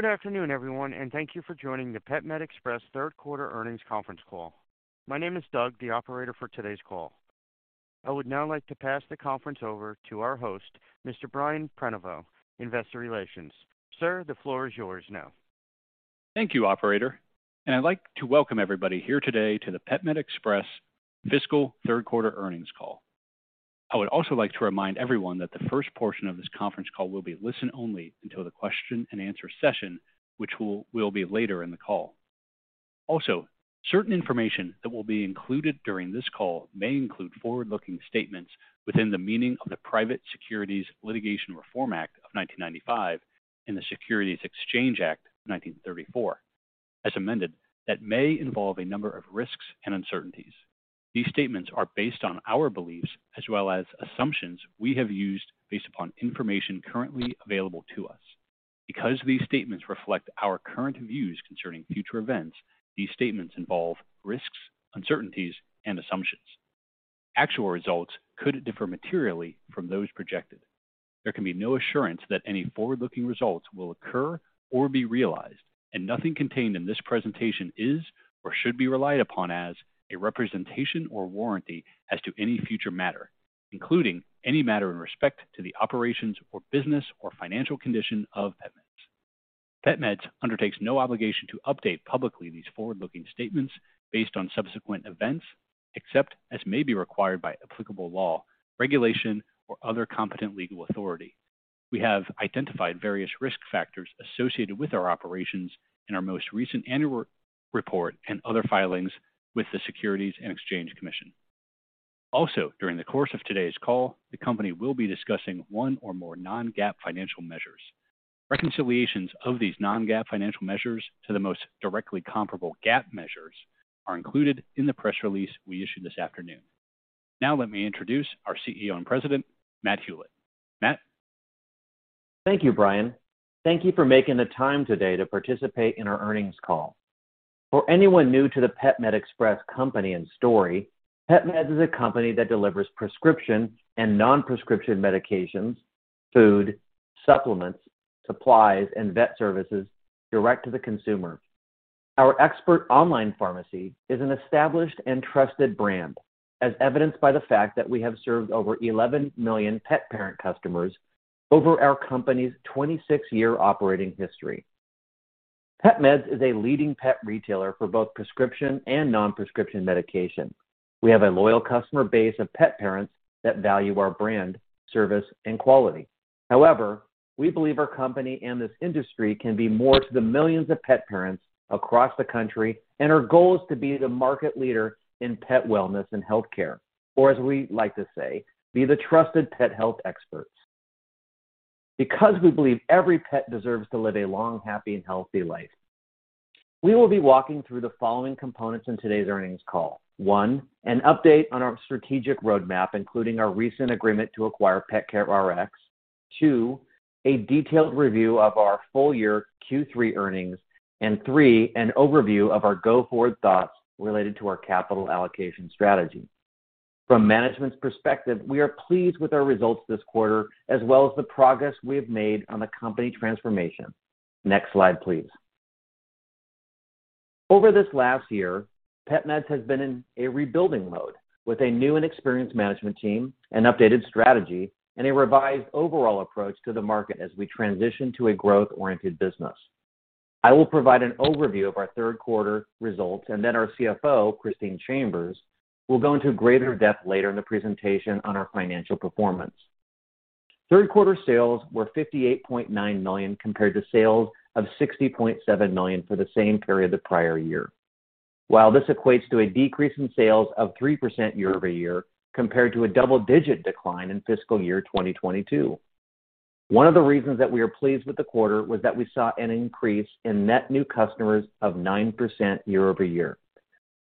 Good afternoon, everyone, and thank you for joining the PetMed Express Q3 earnings conference call. My name is Doug, the operator for today's call. I would now like to pass the conference over to our host, Mr. Brian Prenoveau, Investor Relations. Sir, the floor is yours now. Thank you, operator. I'd like to welcome everybody here today to the PetMed Express fiscal Q3 earnings call. I would also like to remind everyone that the first portion of this conference call will be listen only until the Q&A session, which will be later in the call. Certain information that will be included during this call may include forward-looking statements within the meaning of the Private Securities Litigation Reform Act of 1995 and the Securities Exchange Act of 1934, as amended, that may involve a number of risks and uncertainties. These statements are based on our beliefs as well as assumptions we have used based upon information currently available to us. Because these statements reflect our current views concerning future events, these statements involve risks, uncertainties, and assumptions. Actual results could differ materially from those projected. There can be no assurance that any forward-looking results will occur or be realized, and nothing contained in this presentation is or should be relied upon as a representation or warranty as to any future matter, including any matter in respect to the operations or business or financial condition of PetMeds. PetMeds undertakes no obligation to update publicly these forward-looking statements based on subsequent events, except as may be required by applicable law, regulation, or other competent legal authority. We have identified various risk factors associated with our operations in our most recent annual report and other filings with the Securities and Exchange Commission. During the course of today's call, the company will be discussing one or more non-GAAP financial measures. Reconciliations of these non-GAAP financial measures to the most directly comparable GAAP measures are included in the press release we issued this afternoon. Let me introduce our CEO and President, Matt Hulett. Matt? Thank you, Brian. Thank you for making the time today to participate in our earnings call. For anyone new to the PetMed Express company and story, PetMeds is a company that delivers prescription and non-prescription medications, food, supplements, supplies, and vet services direct to the consumer. Our expert online pharmacy is an established and trusted brand, as evidenced by the fact that we have served over 11 million pet parent customers over our company's 26-year operating history. PetMeds is a leading pet retailer for both prescription and non-prescription medication. We have a loyal customer base of pet parents that value our brand, service, and quality. We believe our company and this industry can be more to the millions of pet parents across the country, and our goal is to be the market leader in pet wellness and healthcare. As we like to say, be the trusted pet health experts. We believe every pet deserves to live a long, happy, and healthy life. We will be walking through the following components in today's earnings call. 1, an update on our strategic roadmap, including our recent agreement to acquire PetCareRx. 2, a detailed review of our full year Q3 earnings. 3, an overview of our go-forward thoughts related to our capital allocation strategy. From management's perspective, we are pleased with our results this quarter, as well as the progress we have made on the company transformation. Next slide, please. Over this last year, PetMeds has been in a rebuilding mode with a new and experienced management team, an updated strategy, and a revised overall approach to the market as we transition to a growth-oriented business. I will provide an overview of our Q3 results, and then our CFO, Christine Chambers, will go into greater depth later in the presentation on our financial performance. Q3 sales were $58.9 million, compared to sales of $60.7 million for the same period the prior year. While this equates to a decrease in sales of 3% year-over-year compared to a double-digit decline in fiscal year 2022. One of the reasons that we are pleased with the quarter was that we saw an increase in net new customers of 9% year-over-year.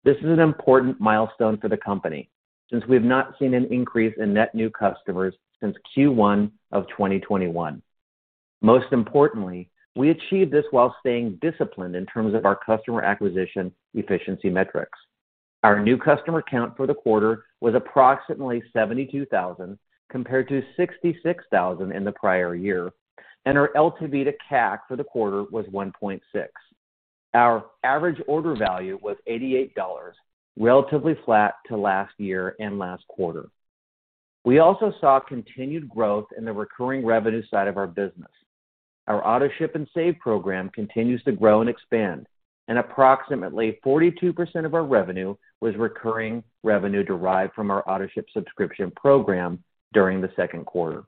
This is an important milestone for the company since we have not seen an increase in net new customers since Q1 of 2021. Most importantly, we achieved this while staying disciplined in terms of our customer acquisition efficiency metrics. Our new customer count for the quarter was approximately 72,000 compared to 66,000 in the prior year. Our LTV to CAC for the quarter was 1.6. Our average order value was $88, relatively flat to last year and last quarter. We also saw continued growth in the recurring revenue side of our business. Our Autoship & Save program continues to grow and expand. Approximately 42% of our revenue was recurring revenue derived from our Autoship subscription program during the Q2.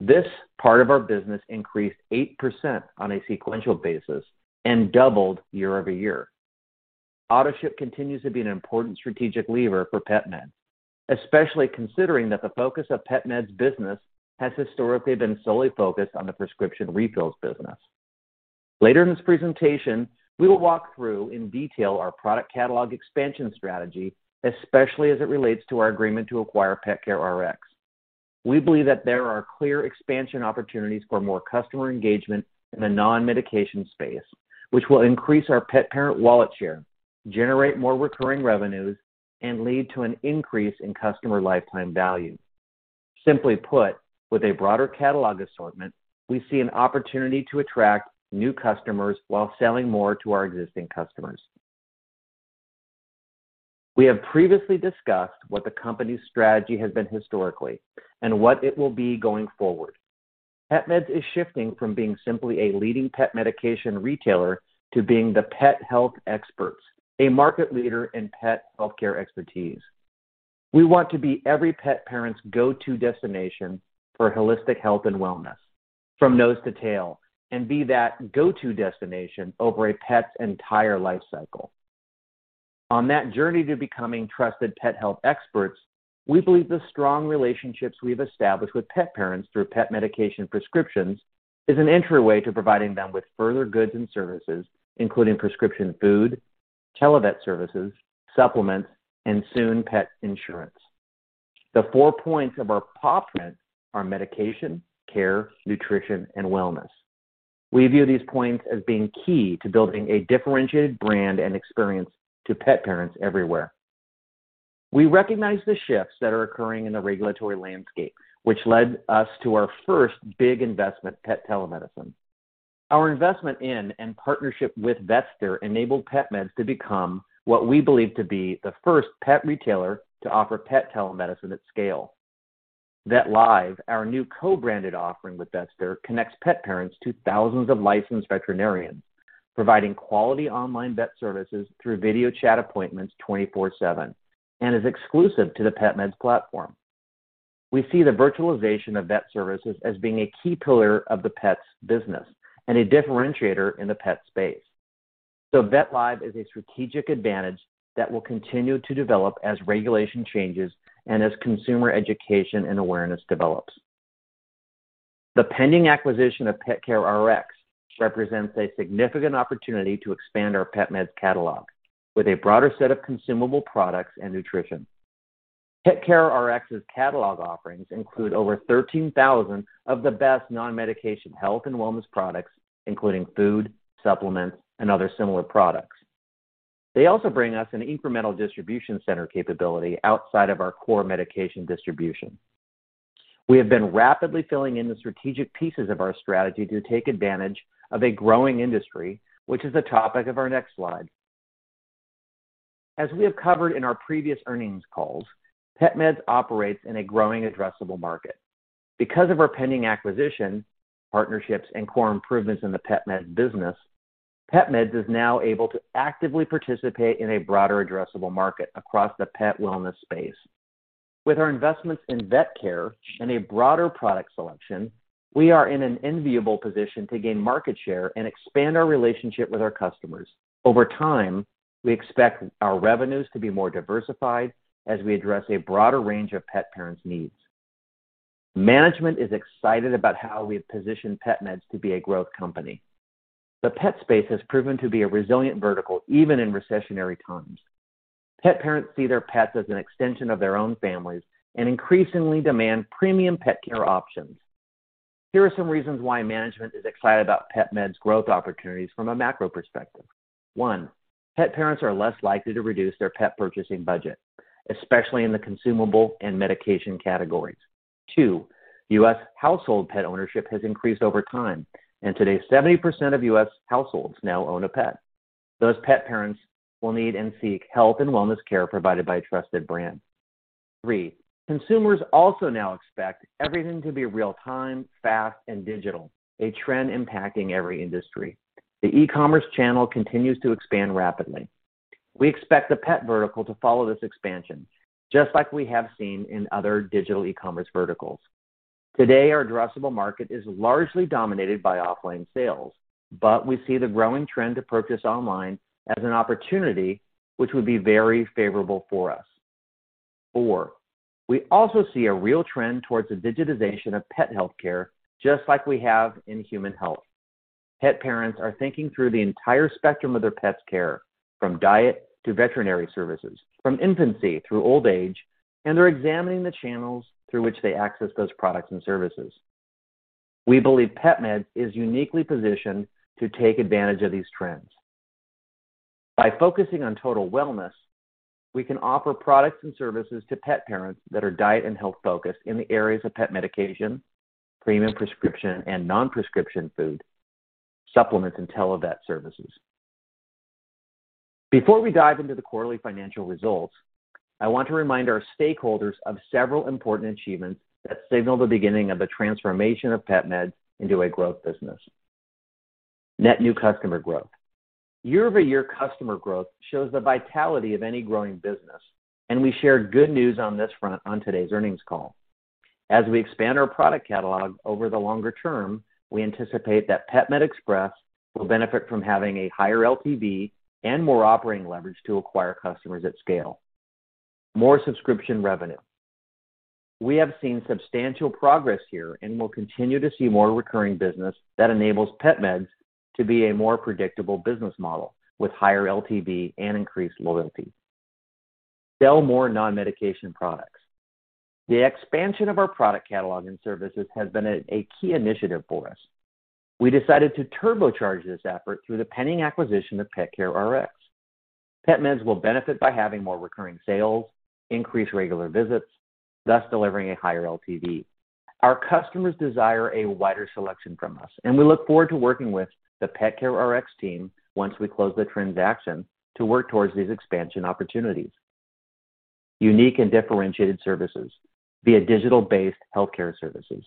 This part of our business increased 8% on a sequential basis and doubled year-over-year. Autoship continues to be an important strategic lever for PetMeds, especially considering that the focus of PetMeds business has historically been solely focused on the prescription refills business. Later in this presentation, we will walk through in detail our product catalog expansion strategy, especially as it relates to our agreement to acquire PetCareRx. We believe that there are clear expansion opportunities for more customer engagement in the non-medication space, which will increase our pet parent wallet share, generate more recurring revenues, and lead to an increase in customer lifetime value. Simply put, with a broader catalog assortment, we see an opportunity to attract new customers while selling more to our existing customers. We have previously discussed what the company's strategy has been historically and what it will be going forward. PetMeds is shifting from being simply a leading pet medication retailer to being the pet health experts, a market leader in pet healthcare expertise. We want to be every pet parent's go-to destination for holistic health and wellness from nose to tail, and be that go-to destination over a pet's entire life cycle. On that journey to becoming trusted pet health experts, we believe the strong relationships we've established with pet parents through pet medication prescriptions is an entryway to providing them with further goods and services, including prescription food, tele-vet services, supplements, and soon, pet insurance. The four points of our pawprint are medication, care, nutrition, and wellness. We view these points as being key to building a differentiated brand and experience to pet parents everywhere. We recognize the shifts that are occurring in the regulatory landscape, which led us to our first big investment, pet telemedicine. Our investment in and partnership with Vetster enabled PetMeds to become what we believe to be the first pet retailer to offer pet telemedicine at scale. VetLive, our new co-branded offering with Vetster, connects pet parents to thousands of licensed veterinarians, providing quality online vet services through video chat appointments 24/7, and is exclusive to the PetMeds platform. We see the virtualization of vet services as being a key pillar of the pets business and a differentiator in the pet space. VetLive is a strategic advantage that we'll continue to develop as regulation changes and as consumer education and awareness develops. The pending acquisition of PetCareRx represents a significant opportunity to expand our PetMeds catalog with a broader set of consumable products and nutrition. PetCareRx's catalog offerings include over 13,000 of the best non-medication health and wellness products, including food, supplements, and other similar products. They also bring us an incremental distribution center capability outside of our core medication distribution. We have been rapidly filling in the strategic pieces of our strategy to take advantage of a growing industry, which is the topic of our next slide. As we have covered in our previous earnings calls, PetMeds operates in a growing addressable market. Because of our pending acquisition, partnerships, and core improvements in the PetMeds business, PetMeds is now able to actively participate in a broader addressable market across the pet wellness space. With our investments in vet care and a broader product selection, we are in an enviable position to gain market share and expand our relationship with our customers. Over time, we expect our revenues to be more diversified as we address a broader range of pet parents' needs. Management is excited about how we've positioned PetMeds to be a growth company. The pet space has proven to be a resilient vertical, even in recessionary times. Pet parents see their pets as an extension of their own families and increasingly demand premium pet care options. Here are some reasons why management is excited about PetMeds' growth opportunities from a macro perspective. 1, pet parents are less likely to reduce their pet purchasing budget, especially in the consumable and medication categories. 2, U.S. household pet ownership has increased over time, and today 70% of U.S. households now own a pet. Those pet parents will need and seek health and wellness care provided by a trusted brand. 3, consumers also now expect everything to be real-time, fast, and digital, a trend impacting every industry. The e-commerce channel continues to expand rapidly. We expect the pet vertical to follow this expansion, just like we have seen in other digital e-commerce verticals. Today, our addressable market is largely dominated by offline sales. We see the growing trend to purchase online as an opportunity which would be very favorable for us. Four, we also see a real trend towards the digitization of pet healthcare, just like we have in human health. Pet parents are thinking through the entire spectrum of their pet's care, from diet to veterinary services, from infancy through old age, and they're examining the channels through which they access those products and services. We believe PetMeds is uniquely positioned to take advantage of these trends. By focusing on total wellness, we can offer products and services to pet parents that are diet and health-focused in the areas of pet medication, premium prescription and non-prescription food, supplements, and tele-vet services. Before we dive into the quarterly financial results, I want to remind our stakeholders of several important achievements that signal the beginning of the transformation of PetMeds into a growth business. Net new customer growth. Year-over-year customer growth shows the vitality of any growing business. We share good news on this front on today's earnings call. As we expand our product catalog over the longer term, we anticipate that PetMed Express will benefit from having a higher LTV and more operating leverage to acquire customers at scale. More subscription revenue. We have seen substantial progress here and will continue to see more recurring business that enables PetMeds to be a more predictable business model with higher LTV and increased loyalty. Sell more non-medication products. The expansion of our product catalog and services has been a key initiative for us. We decided to turbocharge this effort through the pending acquisition of PetCareRx. PetMeds will benefit by having more recurring sales, increased regular visits, thus delivering a higher LTV. Our customers desire a wider selection from us. We look forward to working with the PetCareRx team once we close the transaction to work towards these expansion opportunities. Unique and differentiated services via digital-based healthcare services.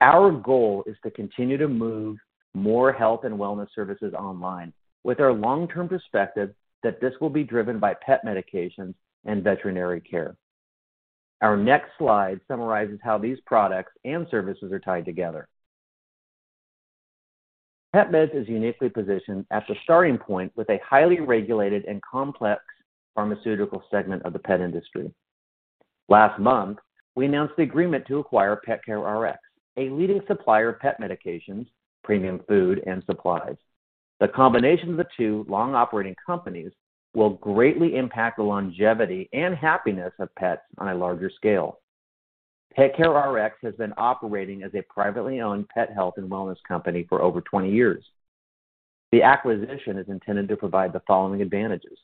Our goal is to continue to move more health and wellness services online with our long-term perspective that this will be driven by pet medications and veterinary care. Our next slide summarizes how these products and services are tied together. PetMeds is uniquely positioned as the starting point with a highly regulated and complex pharmaceutical segment of the pet industry. Last month, we announced the agreement to acquire PetCareRx, a leading supplier of pet medications, premium food, and supplies. The combination of the two long-operating companies will greatly impact the longevity and happiness of pets on a larger scale. PetCareRx has been operating as a privately owned pet health and wellness company for over 20 years. The acquisition is intended to provide the following advantages.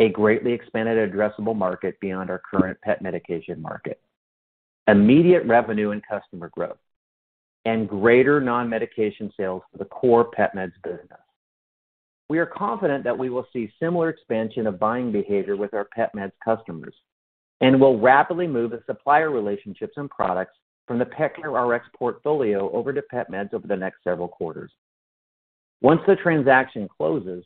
A greatly expanded addressable market beyond our current pet medication market. Immediate revenue and customer growth. Greater non-medication sales to the core PetMeds business. We are confident that we will see similar expansion of buying behavior with our PetMeds customers and will rapidly move the supplier relationships and products from the PetCareRx portfolio over to PetMeds over the next several quarters. Once the transaction closes,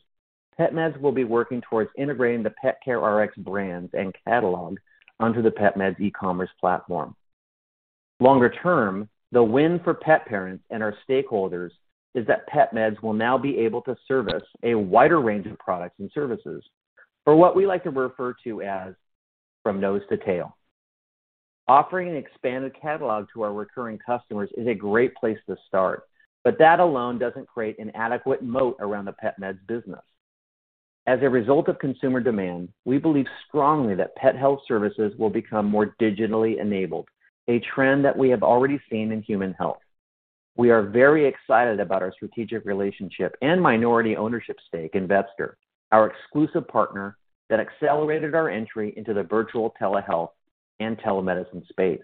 PetMeds will be working towards integrating the PetCareRx brands and catalog onto the PetMeds e-commerce platform. Longer term, the win for pet parents and our stakeholders is that PetMeds will now be able to service a wider range of products and services for what we like to refer to as from nose to tail. Offering an expanded catalog to our recurring customers is a great place to start, but that alone doesn't create an adequate moat around the PetMeds business. As a result of consumer demand, we believe strongly that pet health services will become more digitally enabled, a trend that we have already seen in human health. We are very excited about our strategic relationship and minority ownership stake in Vetster, our exclusive partner that accelerated our entry into the virtual telehealth and telemedicine space.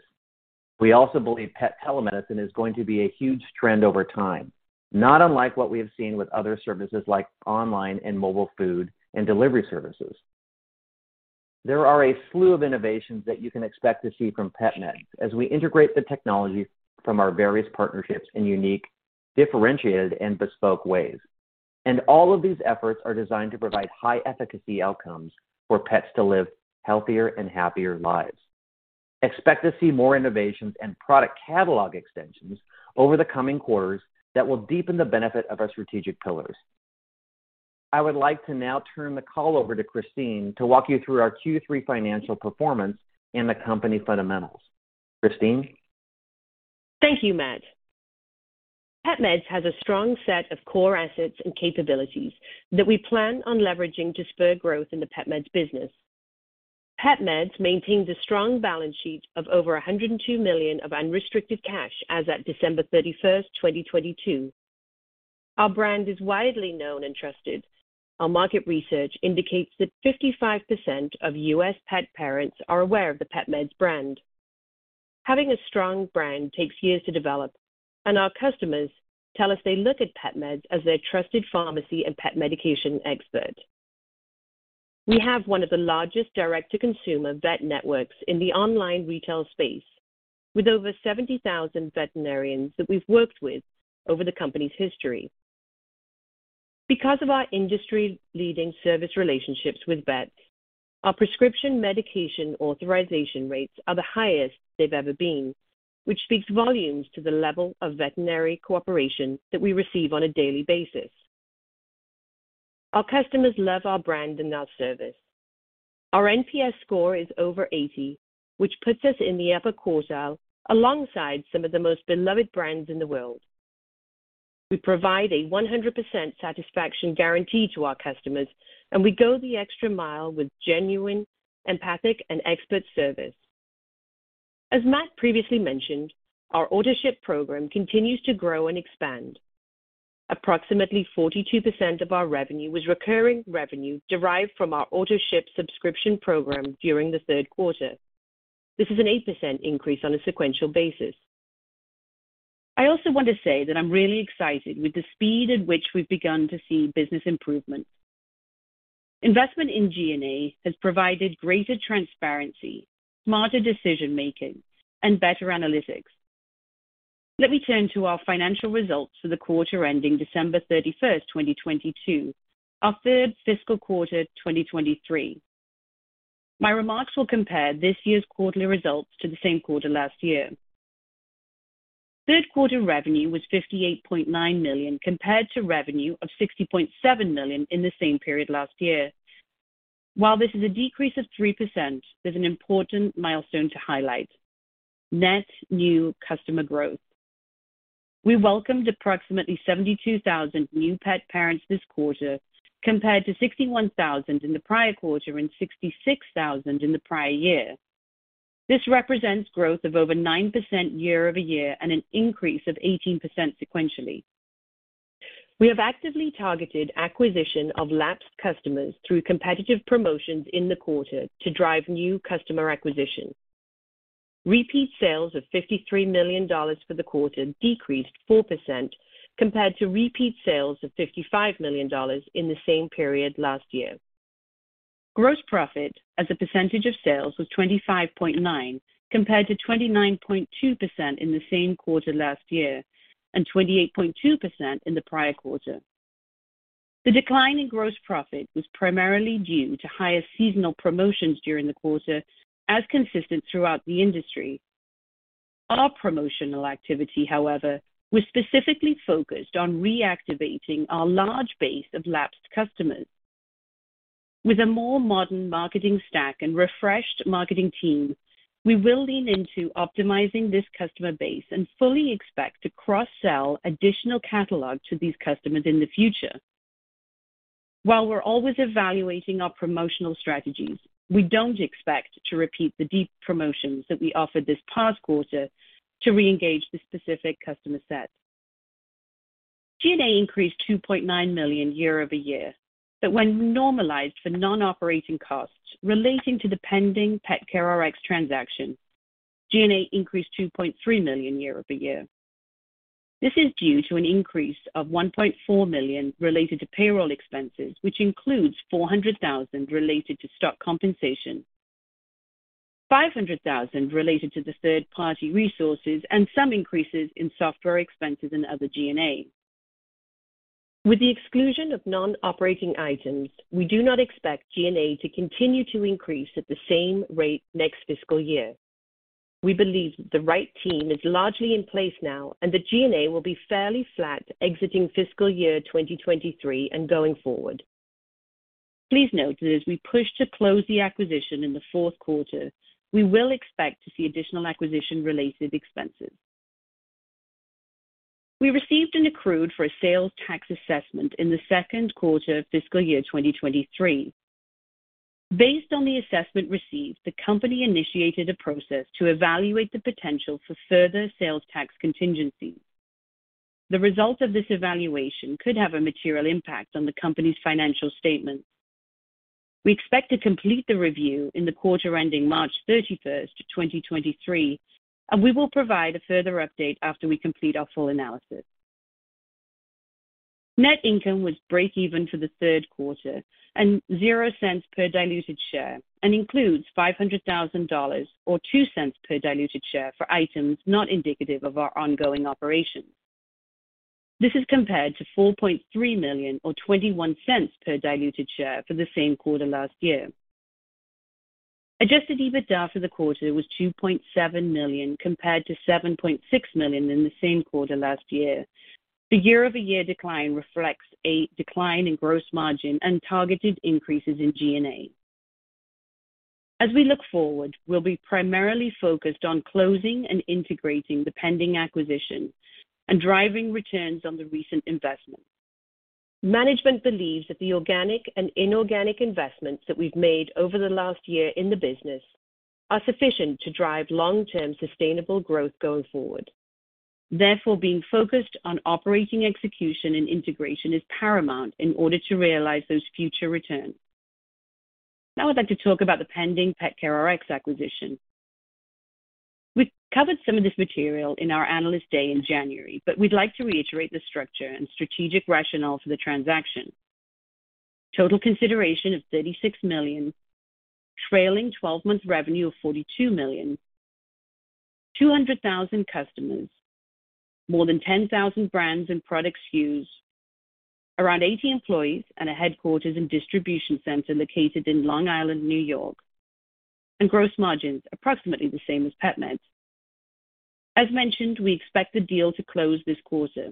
We also believe pet telemedicine is going to be a huge trend over time, not unlike what we have seen with other services like online and mobile food and delivery services. There are a slew of innovations that you can expect to see from PetMeds as we integrate the technology from our various partnerships in unique, differentiated, and bespoke ways. All of these efforts are designed to provide high-efficacy outcomes for pets to live healthier and happier lives. Expect to see more innovations and product catalog extensions over the coming quarters that will deepen the benefit of our strategic pillars. I would like to now turn the call over to Christine to walk you through our Q3 financial performance and the company fundamentals. Christine? Thank you, Matt. PetMeds has a strong set of core assets and capabilities that we plan on leveraging to spur growth in the PetMeds business. PetMeds maintains a strong balance sheet of over $102 million of unrestricted cash as at December 31, 2022. Our brand is widely known and trusted. Our market research indicates that 55% of U.S. pet parents are aware of the PetMeds brand. Having a strong brand takes years to develop. Our customers tell us they look at PetMeds as their trusted pharmacy and pet medication expert. We have one of the largest direct-to-consumer vet networks in the online retail space, with over 70,000 veterinarians that we've worked with over the company's history. Because of our industry-leading service relationships with vets, our prescription medication authorization rates are the highest they've ever been, which speaks volumes to the level of veterinary cooperation that we receive on a daily basis. Our customers love our brand and our service. Our NPS score is over 80, which puts us in the upper quartile alongside some of the most beloved brands in the world. We provide a 100% satisfaction guarantee to our customers, and we go the extra mile with genuine, empathic, and expert service. As Matt previously mentioned, our Autoship program continues to grow and expand. Approximately 42% of our revenue was recurring revenue derived from our Autoship subscription program during the Q3. This is an 8% increase on a sequential basis. I also want to say that I'm really excited with the speed at which we've begun to see business improvement. Investment in G&A has provided greater transparency, smarter decision-making, and better analytics. Let me turn to our financial results for the quarter ending December 31st, 2022, our third fiscal quarter 2023. My remarks will compare this year's quarterly results to the same quarter last year. Q3 revenue was $58.9 million, compared to revenue of $60.7 million in the same period last year. This is a decrease of 3%, there's an important milestone to highlight. Net new customer growth. We welcomed approximately 72,000 new pet parents this quarter, compared to 61 in the prior quarter and 66,000 in the prior year. This represents growth of over 9% year-over-year and an increase of 18% sequentially. We have actively targeted acquisition of lapsed customers through competitive promotions in the quarter to drive new customer acquisition. Repeat sales of $53 million for the quarter decreased 4% compared to repeat sales of $55 million in the same period last year. Gross profit as a percentage of sales was 25.9%, compared to 29.2% in the same quarter last year, and 28.2% in the prior quarter. The decline in gross profit was primarily due to higher seasonal promotions during the quarter, as consistent throughout the industry. Our promotional activity, however, was specifically focused on reactivating our large base of lapsed customers. With a more modern marketing stack and refreshed marketing team, we will lean into optimizing this customer base and fully expect to cross-sell additional catalog to these customers in the future. While we're always evaluating our promotional strategies, we don't expect to repeat the deep promotions that we offered this past quarter to reengage the specific customer set. G&A increased $2.9 million year-over-year, but when normalized for non-operating costs relating to the pending PetCareRx transaction, G&A increased $2.3 million year-over-year. This is due to an increase of $1.4 million related to payroll expenses, which includes $400,000 related to stock compensation, $500,000 related to the third-party resources, and some increases in software expenses and other G&A. With the exclusion of non-operating items, we do not expect G&A to continue to increase at the same rate next fiscal year. We believe the right team is largely in place now, and the G&A will be fairly flat exiting fiscal year 2023 and going forward. Please note that as we push to close the acquisition in the Q4, we will expect to see additional acquisition-related expenses. We received an accrued for a sales tax assessment in the Q2 of fiscal year 2023. Based on the assessment received, the company initiated a process to evaluate the potential for further sales tax contingencies. The results of this evaluation could have a material impact on the company's financial statements. We expect to complete the review in the quarter ending March 31st, 2023. We will provide a further update after we complete our full analysis. Net income was breakeven for the Q3 and $0.00 per diluted share and includes $500,000 or $0.02 per diluted share for items not indicative of our ongoing operations. This is compared to $4.3 million or $0.21 per diluted share for the same quarter last year. Adjusted EBITDA for the quarter was $2.7 million compared to $7.6 million in the same quarter last year. The year-over-year decline reflects a decline in gross margin and targeted increases in G&A. As we look forward, we'll be primarily focused on closing and integrating the pending acquisition and driving returns on the recent investment. Management believes that the organic and inorganic investments that we've made over the last year in the business are sufficient to drive long-term sustainable growth going forward. Therefore, being focused on operating execution and integration is paramount in order to realize those future returns. Now I'd like to talk about the pending PetCareRx acquisition. We've covered some of this material in our Analyst Day in January, but we'd like to reiterate the structure and strategic rationale for the transaction. Total consideration of $36 million, trailing twelve months revenue of $42 million, 200,000 customers, more than 10,000 brands and product SKUs, around 80 employees and a headquarters and distribution center located in Long Island, New York, and gross margins approximately the same as PetMeds. As mentioned, we expect the deal to close this quarter.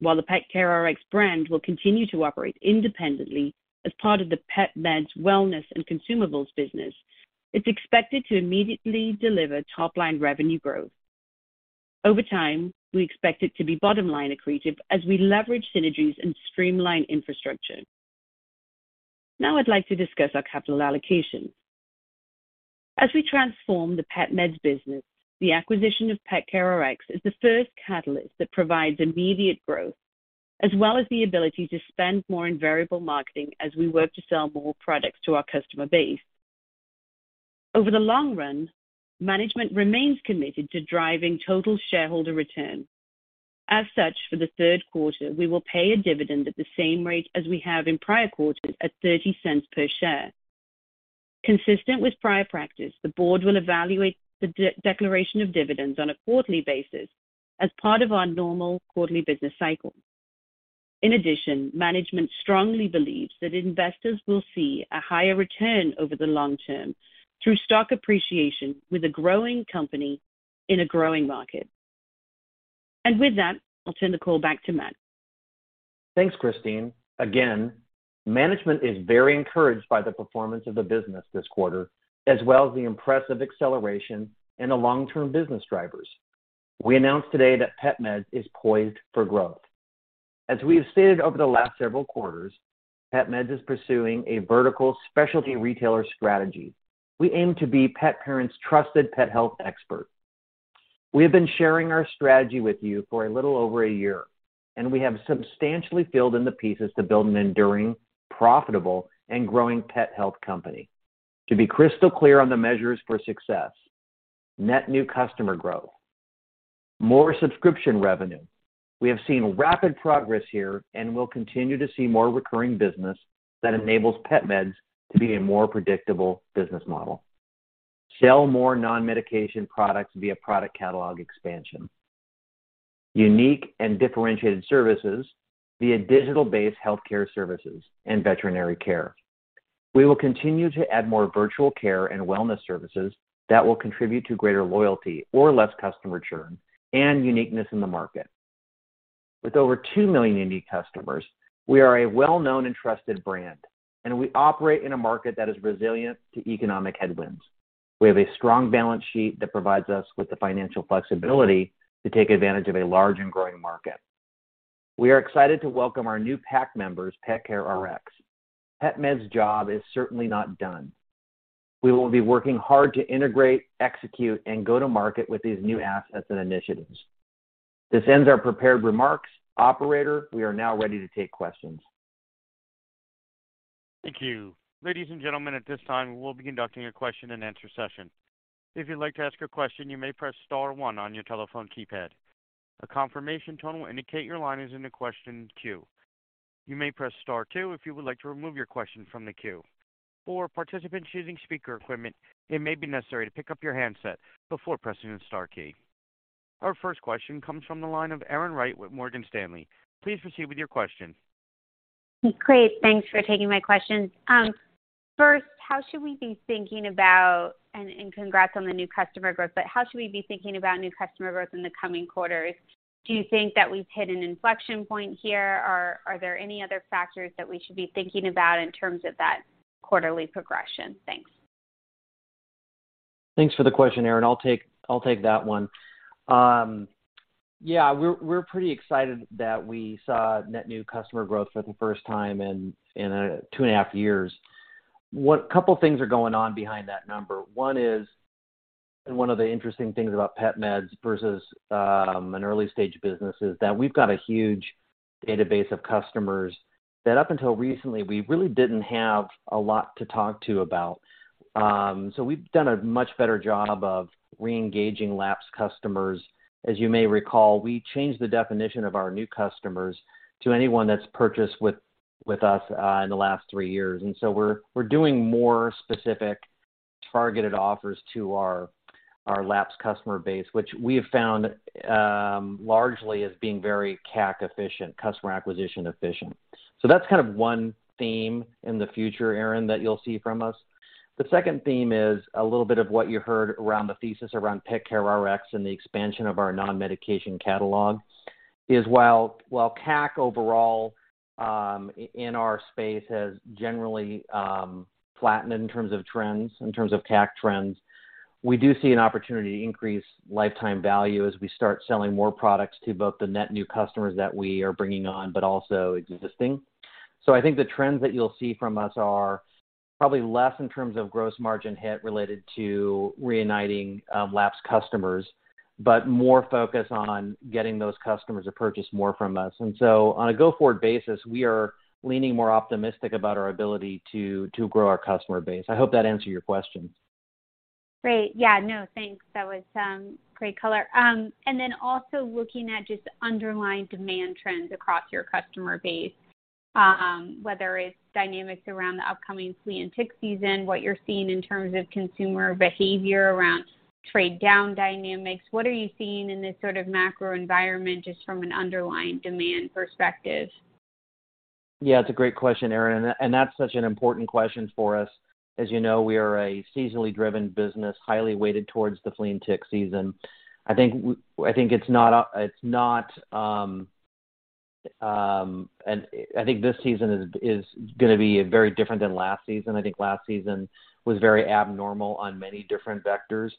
While the PetCareRx brand will continue to operate independently as part of the PetMeds wellness and consumables business, it's expected to immediately deliver top-line revenue growth. Over time, we expect it to be bottom-line accretive as we leverage synergies and streamline infrastructure. Now I'd like to discuss our capital allocation. As we transform the PetMeds business, the acquisition of PetCareRx is the first catalyst that provides immediate growth, as well as the ability to spend more in variable marketing as we work to sell more products to our customer base. Over the long run, management remains committed to driving total shareholder return. As such, for the Q3, we will pay a dividend at the same rate as we have in prior quarters at $0.30 per share. Consistent with prior practice, the board will evaluate the de-declaration of dividends on a quarterly basis as part of our normal quarterly business cycle. In addition, management strongly believes that investors will see a higher return over the long term through stock appreciation with a growing company in a growing market. With that, I'll turn the call back to Matt. Thanks, Christine. Management is very encouraged by the performance of the business this quarter, as well as the impressive acceleration and the long-term business drivers. We announced today that PetMeds is poised for growth. We have stated over the last several quarters, PetMeds is pursuing a vertical specialty retailer strategy. We aim to be pet parents' trusted pet health expert. We have been sharing our strategy with you for a little over a year, we have substantially filled in the pieces to build an enduring, profitable, and growing pet health company. To be crystal clear on the measures for success, net new customer growth, more subscription revenue. We have seen rapid progress here and will continue to see more recurring business that enables PetMeds to be a more predictable business model. Sell more non-medication products via product catalog expansion. Unique and differentiated services via digital-based healthcare services and veterinary care. We will continue to add more virtual care and wellness services that will contribute to greater loyalty or less customer churn and uniqueness in the market. With over 2 million unique customers, we are a well-known and trusted brand. We operate in a market that is resilient to economic headwinds. We have a strong balance sheet that provides us with the financial flexibility to take advantage of a large and growing market. We are excited to welcome our new PAC members, PetCareRx. PetMeds job is certainly not done. We will be working hard to integrate, execute, and go to market with these new assets and initiatives. This ends our prepared remarks. Operator, we are now ready to take questions. Thank you. Ladies and gentlemen, at this time, we will be conducting a Q&A session. If you'd like to ask a question, you may press star one on your telephone keypad. A confirmation tone will indicate your line is in the question queue. You may press star two if you would like to remove your question from the queue. For participants using speaker equipment, it may be necessary to pick up your handset before pressing the star key. Our first question comes from the line of Erin Wright with Morgan Stanley. Please proceed with your question. Great. Thanks for taking my questions. first, how should we be thinking about... and congrats on the new customer growth, but how should we be thinking about new customer growth in the coming quarters? Do you think that we've hit an inflection point here or are there any other factors that we should be thinking about in terms of that quarterly progression? Thanks. Thanks for the question, Erin. I'll take that one. Yeah, we're pretty excited that we saw net new customer growth for the first time in 2.5 years. Couple things are going on behind that number. One is, one of the interesting things about PetMeds versus an early-stage business is that we've got a huge database of customers that up until recently we really didn't have a lot to talk to about. We've done a much better job of re-engaging lapsed customers. As you may recall, we changed the definition of our new customers to anyone that's purchased with us in the last 3 years. We're doing more specific targeted offers to our lapsed customer base, which we have found largely as being very CAC efficient, customer acquisition efficient. That's kind of one theme in the future, Erin, that you'll see from us. The second theme is a little bit of what you heard around the thesis around PetCareRx and the expansion of our non-medication catalog is while CAC overall, in our space has generally flattened in terms of trends, in terms of CAC trends, we do see an opportunity to increase lifetime value as we start selling more products to both the net new customers that we are bringing on, but also existing. I think the trends that you'll see from us are probably less in terms of gross margin hit related to reuniting, lapsed customers, but more focus on getting those customers to purchase more from us. On a go-forward basis, we are leaning more optimistic about our ability to grow our customer base. I hope that answered your question. Great. Yeah, no, thanks. That was great color. Also looking at just underlying demand trends across your customer base, whether it's dynamics around the upcoming flea and tick season, what you're seeing in terms of consumer behavior around trade-down dynamics. What are you seeing in this sort of macro environment just from an underlying demand perspective? Yeah, it's a great question, Erin. That's such an important question for us. As you know, we are a seasonally driven business, highly weighted towards the flea and tick season. I think I think it's not it's not. I think this season is gonna be very different than last season. I think last season was very abnormal on many different vectors.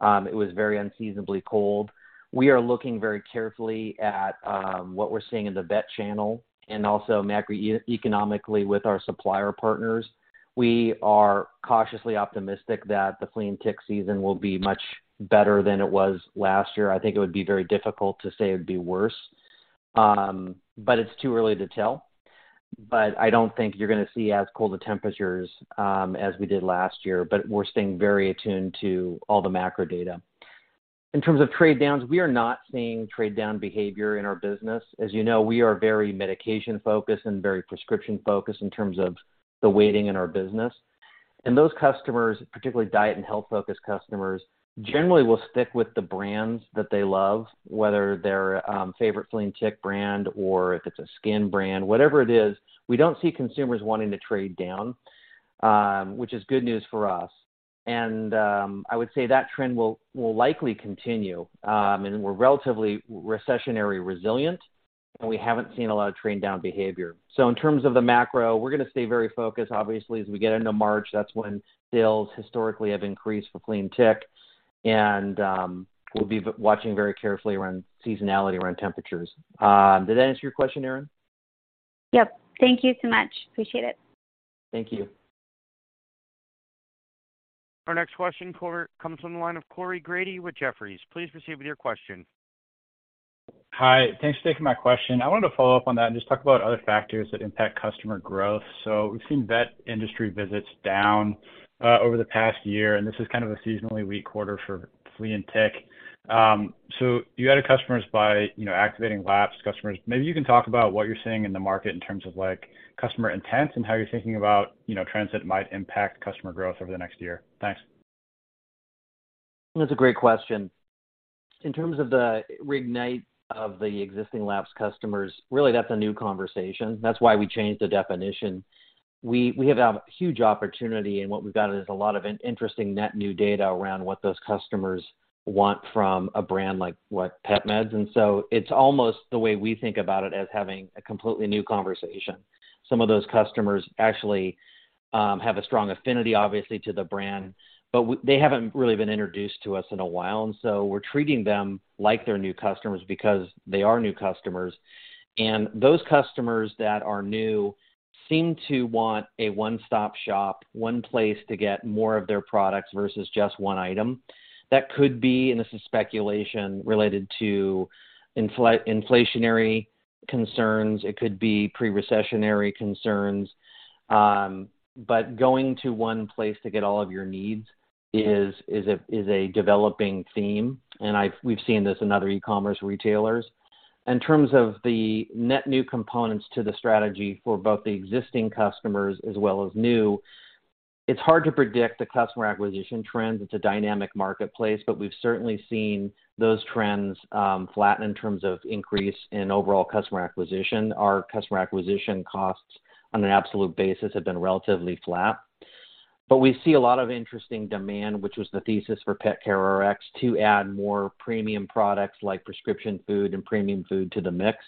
It was very unseasonably cold. We are looking very carefully at what we're seeing in the vet channel and also macro economically with our supplier partners. We are cautiously optimistic that the flea and tick season will be much better than it was last year. I think it would be very difficult to say it would be worse. It's too early to tell. I don't think you're gonna see as cold of temperatures as we did last year. We're staying very attuned to all the macro data. In terms of trade downs, we are not seeing trade down behavior in our business. As you know, we are very medication-focused and very prescription-focused in terms of the weighting in our business. Those customers, particularly diet and health-focused customers, generally will stick with the brands that they love, whether their favorite flea and tick brand or if it's a skin brand. Whatever it is, we don't see consumers wanting to trade down, which is good news for us. I would say that trend will likely continue. We're relatively recessionary resilient, and we haven't seen a lot of trade-down behavior. In terms of the macro, we're gonna stay very focused. Obviously, as we get into March, that's when sales historically have increased for flea and tick. We'll be watching very carefully around seasonality around temperatures. Did that answer your question, Erin? Yep. Thank you so much. Appreciate it. Thank you. Our next question, Corey, comes from the line of Corey Grady with Jefferies. Please proceed with your question. Hi. Thanks for taking my question. I wanted to follow up on that and just talk about other factors that impact customer growth. We've seen vet industry visits down over the past year, and this is kind of a seasonally weak quarter for flea and tick. You added customers by, you know, activating lapsed customers. Maybe you can talk about what you're seeing in the market in terms of, like, customer intents and how you're thinking about, you know, trends that might impact customer growth over the next year. Thanks. That's a great question. In terms of the reignite of the existing lapsed customers, really that's a new conversation. That's why we changed the definition. We have a huge opportunity, and what we've got is a lot of interesting net new data around what those customers want from a brand like PetMeds. So it's almost the way we think about it as having a completely new conversation. Some of those customers actually have a strong affinity, obviously, to the brand, but they haven't really been introduced to us in a while, so we're treating them like they're new customers because they are new customers. Those customers that are new seem to want a one-stop shop, one place to get more of their products versus just one item. That could be, and this is speculation, related to inflationary concerns. It could be pre-recessionary concerns. Going to one place to get all of your needs is a, is a developing theme, and we've seen this in other e-commerce retailers. In terms of the net new components to the strategy for both the existing customers as well as new, it's hard to predict the customer acquisition trends. It's a dynamic marketplace, we've certainly seen those trends flatten in terms of increase in overall customer acquisition. Our customer acquisition costs on an absolute basis have been relatively flat. We see a lot of interesting demand, which was the thesis for PetCareRx, to add more premium products like prescription food and premium food to the mix.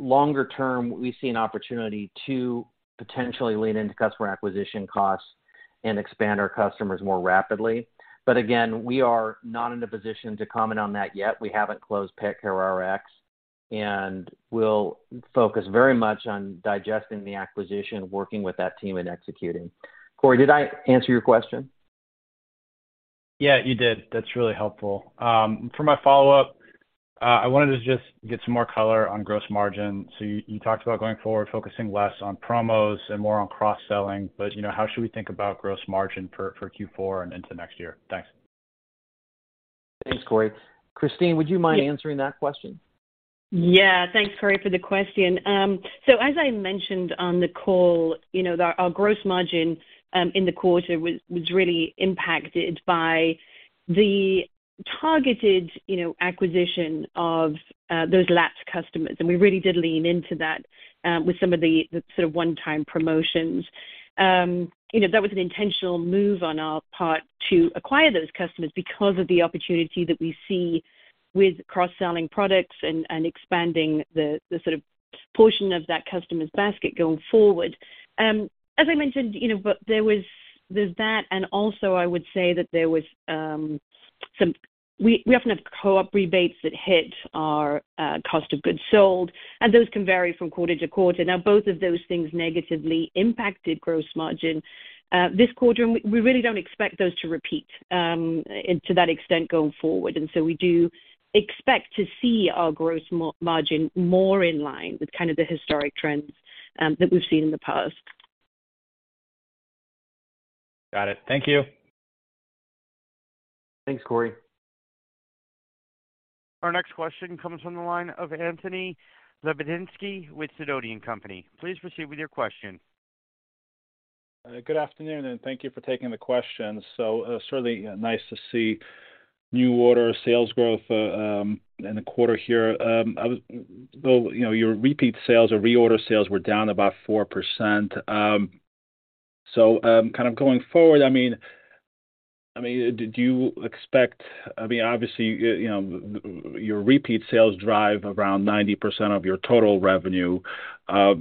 Longer term, we see an opportunity to potentially lean into customer acquisition costs and expand our customers more rapidly. Again, we are not in a position to comment on that yet. We haven't closed PetCareRx, and we'll focus very much on digesting the acquisition, working with that team, and executing. Corey, did I answer your question? Yeah, you did. That's really helpful. For my follow-up, I wanted to just get some more color on gross margin. You, you talked about going forward, focusing less on promos and more on cross-selling, but, you know, how should we think about gross margin for Q4 and into next year? Thanks. Thanks, Corey. Christine, would you mind answering that question? Yeah. Thanks, Corey, for the question. As I mentioned on the call, you know, our gross margin in the quarter was really impacted by the targeted, you know, acquisition of those lapsed customers. We really did lean into that with some of the sort of one-time promotions. You know, that was an intentional move on our part to acquire those customers because of the opportunity that we see with cross-selling products and expanding the sort of portion of that customer's basket going forward. As I mentioned, you know, there's that, and also I would say that there was. We often have co-op rebates that hit our cost of goods sold, and those can vary from quarter to quarter. Both of those things negatively impacted gross margin this quarter, and we really don't expect those to repeat and to that extent, going forward. We do expect to see our gross margin more in line with kind of the historic trends that we've seen in the past. Got it. Thank you. Thanks, Corey. Our next question comes from the line of Anthony Lebiedzinski with Sidoti & Company. Please proceed with your question. Good afternoon, thank you for taking the question. Certainly nice to see new order sales growth in the quarter here. Though, you know, your repeat sales or reorder sales were down about 4%. Kind of going forward, I mean, obviously, you know, your repeat sales drive around 90% of your total revenue. How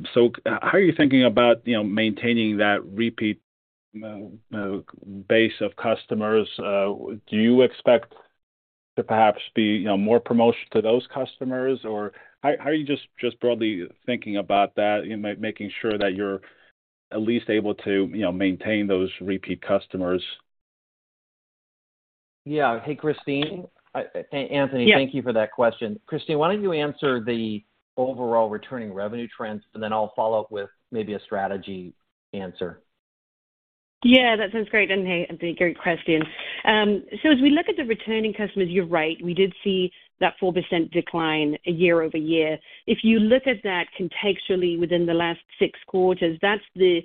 are you thinking about, you know, maintaining that repeat base of customers? Do you expect to perhaps be, you know, more promotion to those customers? Or how are you just broadly thinking about that, you know, making sure that you're at least able to, you know, maintain those repeat customers? Yeah. Hey, Christine. Anthony, thank you for that question. Christine, why don't you answer the overall returning revenue trends, and then I'll follow up with maybe a strategy answer. Yeah, that sounds great. Hey, Anthony, great question. As we look at the returning customers, you're right, we did see that 4% decline year-over-year. If you look at that contextually within the last 6 quarters, that's the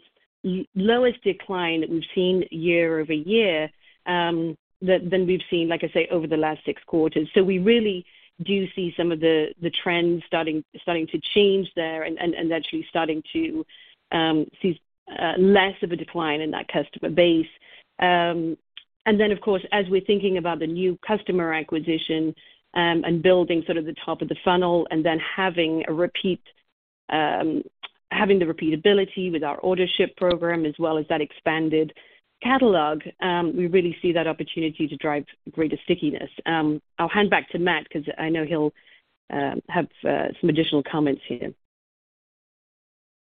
lowest decline that we've seen year-over-year, that than we've seen, like I say, over the last 6 quarters. We really do see some of the trends starting to change there and actually starting to see less of a decline in that customer base. Of course, as we're thinking about the new customer acquisition, and building sort of the top of the funnel and having the repeatability with our Autoship program as well as that expanded catalog, we really see that opportunity to drive greater stickiness. I'll hand back to Matt because I know he'll have some additional comments here.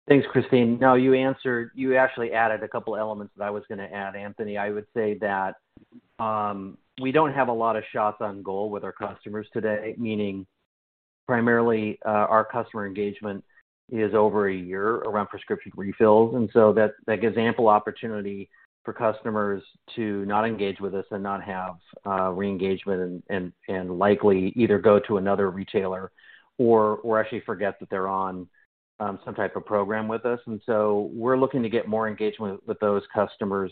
Thanks, Christine. No, you answered, you actually added a couple of elements that I was gonna add, Anthony. I would say that we don't have a lot of shots on goal with our customers today, meaning primarily, our customer engagement is over a year around prescription refills. That, that gives ample opportunity for customers to not engage with us and not have re-engagement and likely either go to another retailer or actually forget that they're on some type of program with us. We're looking to get more engagement with those customers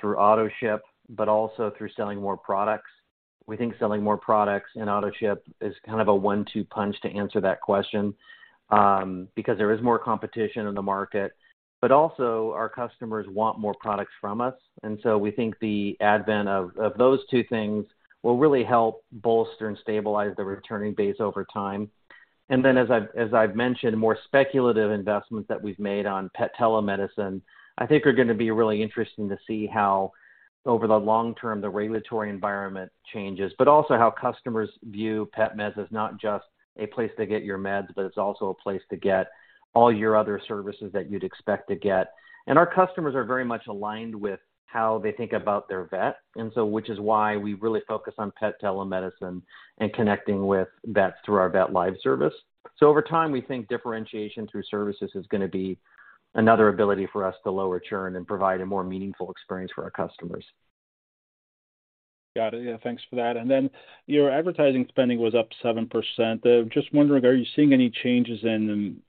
through Autoship, but also through selling more products. We think selling more products and Autoship is kind of a one-two punch to answer that question, because there is more competition in the market, but also our customers want more products from us. We think the advent of those two things will really help bolster and stabilize the returning base over time. Then as I've mentioned, more speculative investments that we've made on pet telemedicine, I think are gonna be really interesting to see how over the long term the regulatory environment changes, but also how customers view PetMed as not just a place to get your meds, but it's also a place to get all your other services that you'd expect to get. Our customers are very much aligned with how they think about their vet. Which is why we really focus on pet telemedicine and connecting with vets through our VetLive service. Over time, we think differentiation through services is gonna be another ability for us to lower churn and provide a more meaningful experience for our customers. Got it. Yeah, thanks for that. Your advertising spending was up 7%. Just wondering, are you seeing any changes in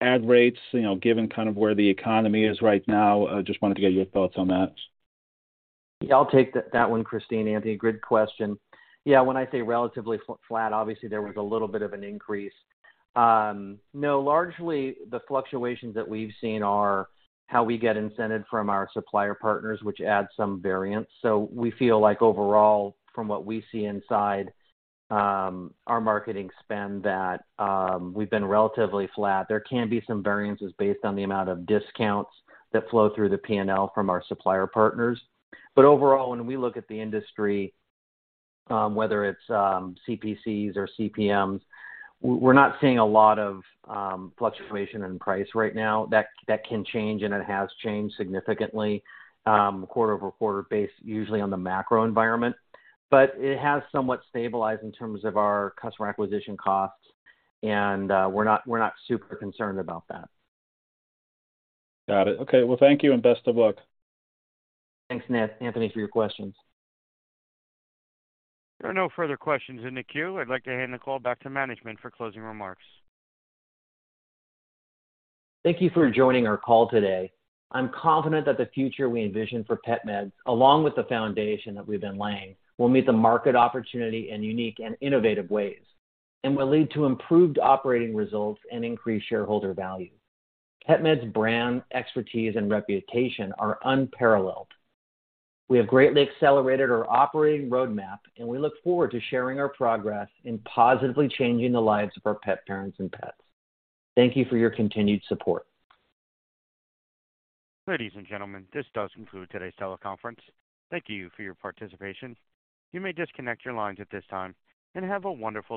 ad rates, you know, given kind of where the economy is right now? I just wanted to get your thoughts on that. Yeah, I'll take that one, Christine. Anthony, good question. Yeah, when I say relatively flat, obviously there was a little bit of an increase. No, largely the fluctuations that we've seen are how we get incented from our supplier partners, which adds some variance. We feel like overall, from what we see inside, our marketing spend that, we've been relatively flat. There can be some variances based on the amount of discounts that flow through the P&L from our supplier partners. Overall, when we look at the industry, whether it's, CPCs or CPMs, we're not seeing a lot of fluctuation in price right now. That can change, and it has changed significantly, quarter over quarter based usually on the macro environment. it has somewhat stabilized in terms of our customer acquisition costs, and we're not super concerned about that. Got it. Okay, well, thank you and best of luck. Thanks, Anthony, for your questions. There are no further questions in the queue. I'd like to hand the call back to management for closing remarks. Thank you for joining our call today. I'm confident that the future we envision for PetMed, along with the foundation that we've been laying, will meet the market opportunity in unique and innovative ways and will lead to improved operating results and increased shareholder value. PetMed's brand, expertise, and reputation are unparalleled. We have greatly accelerated our operating roadmap, and we look forward to sharing our progress in positively changing the lives of our pet parents and pets. Thank you for your continued support. Ladies and gentlemen, this does conclude today's teleconference. Thank you for your participation. You may disconnect your lines at this time, and have a wonderful day.